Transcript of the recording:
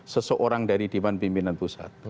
seseorang dari dewan pimpinan pusat